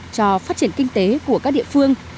cho phát triển kinh tế của các địa phương